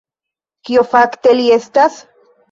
Kio fakte li estas?